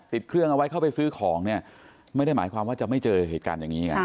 ติดเครื่องเอาไว้เข้าไปซื้อของเนี่ยไม่ได้หมายความว่าจะไม่เจอเหตุการณ์อย่างนี้ไง